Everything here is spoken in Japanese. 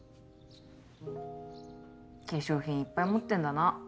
化粧品いっぱい持ってんだな。